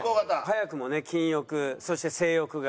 早くもね金欲そして性欲が。